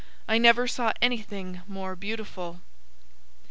I never saw anything more beautiful.'